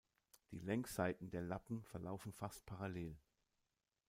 Die Längsseiten der Lappen verlaufen fast parallel.